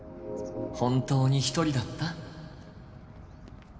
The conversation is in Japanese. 本当に１人だった？